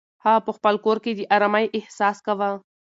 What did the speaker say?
هغه په خپل کور کې د ارامۍ احساس کاوه.